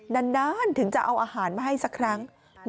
นานถึงจะเอาอาหารมาให้สักครั้ง